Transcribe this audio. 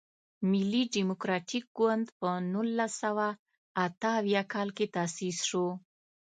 ملي ډیموکراتیک ګوند په نولس سوه اته اویا کال کې تاسیس شو.